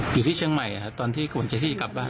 อยู่ที่เชียงใหม่ค่ะตอนที่ของของเจ๋ฐี่คาบบ้าน